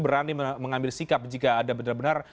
berani mengambil sikap jika ada benar benar